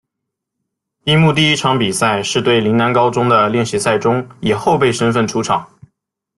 樱木第一场比赛是对陵南高中的练习赛中以后备身份出场。